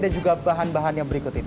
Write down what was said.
dan juga bahan bahan yang berikut ini